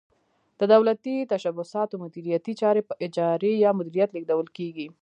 د دولتي تشبثاتو مدیریتي چارې په اجارې یا مدیریت لیږدول کیږي.